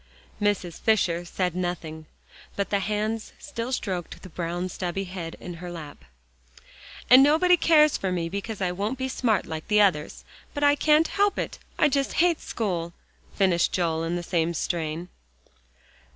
Mrs. Fisher said nothing, but the hands still stroked the brown stubby head in her lap. "And nobody cares for me because I won't be smart like the others, but I can't help it, I just hate school!" finished Joel in the same strain.